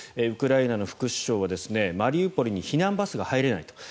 ウクライナの副首相はマリウポリに避難バスが入れないと。